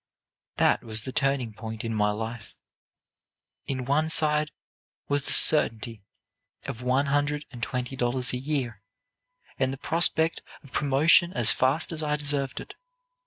"That was the turning point in my life. In one side was the certainty of one hundred and twenty dollars a year, and the prospect of promotion as fast as I deserved it.